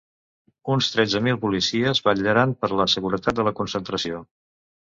Uns tretze mil policies vetllaran per la seguretat de la concentració.